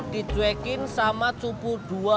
dicuekin sama cupu dua